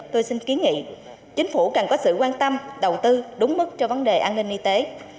tôi xin kiến nghị chính phủ cần có sự quan tâm đầu tư đúng mức cho vấn đề an ninh y tế